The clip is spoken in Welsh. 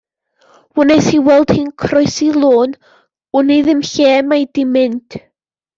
Wnes i weld hi'n croesi lôn, wn i ddim lle mai 'di mynd.